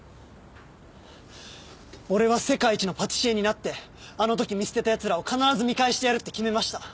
俺は世界一のパティシエになってあの時見捨てた奴らを必ず見返してやるって決めました。